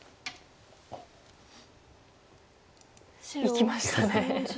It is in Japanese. いきましたね。